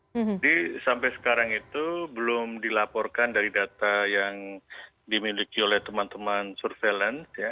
jadi sampai sekarang itu belum dilaporkan dari data yang dimiliki oleh teman teman surveillance